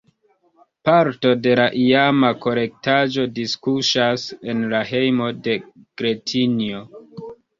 Parto de la iama kolektaĵo diskuŝas en la hejmo de Gretinjo.